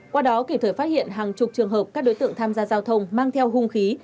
qua đó kịp thời phát hiện hàng chục trường hợp các đối tượng tham gia giao thông mang theo hung khí